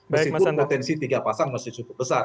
meskipun potensi tiga pasang masih cukup besar